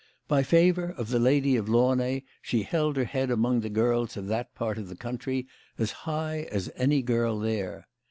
By favour of the Lady of Launay she held her head among the girls of that part of the country as high as any girl there.